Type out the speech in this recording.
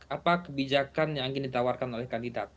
apa kebijakan yang ingin ditawarkan oleh kandidat